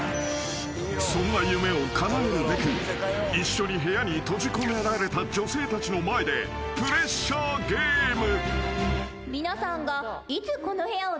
［そんな夢をかなえるべく一緒に部屋に閉じ込められた女性たちの前でプレッシャーゲーム］